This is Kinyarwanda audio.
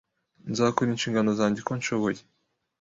Nzakora inshingano zanjye uko nshoboye